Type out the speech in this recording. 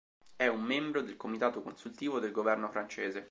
È un membro del comitato consultivo del governo francese.